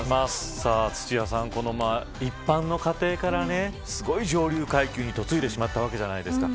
土屋さん、一般の家庭からねすごい上流階級に嫁いでしまったわけじゃないですか。